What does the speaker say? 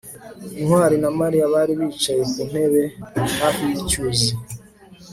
ntwali na mariya bari bicaye ku ntebe hafi yicyuzi